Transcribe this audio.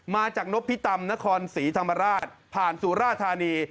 มาจากนพิตำนครศรีธรรมราชผ่านสุราธานี